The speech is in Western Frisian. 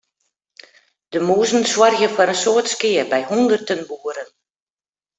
De mûzen soargje foar in soad skea by hûnderten boeren.